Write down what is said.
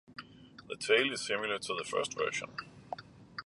The tail is similar to the first version.